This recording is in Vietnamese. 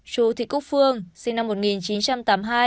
chu thị cúc phương sinh năm một nghìn chín trăm tám mươi hai